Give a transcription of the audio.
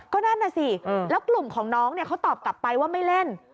ก็นั่นน่ะสิแล้วกลุ่มของน้องเขาตอบกลับไปว่าไม่เล่น